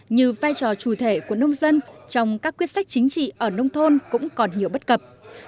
như vai trò chủ thể của nông dân trong các quyết sách chính trị ở nông thôn cũng còn nhiều bất cập